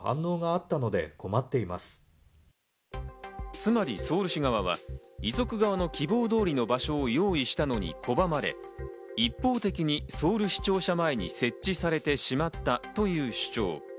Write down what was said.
つまりソウル市側は遺族側の希望通りの場所を用意したのに拒まれ、一方的にソウル市庁舎前に設置されてしまったという主張。